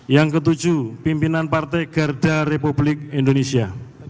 yang ketujuh pimpinan partai garda republik indonesia